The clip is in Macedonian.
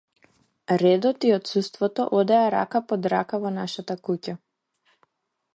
Редот и отсуството одеа рака под рака во нашата куќа.